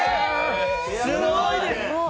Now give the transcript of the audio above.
すごいです。